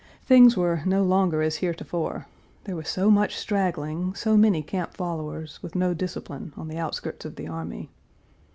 Things were no longer as heretofore; there was so much straggling, so many camp followers, with no discipline, on the outskirts of the army.